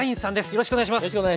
よろしくお願いします。